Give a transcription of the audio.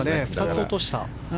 ２つ落とした。